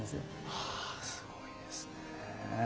はあすごいですね。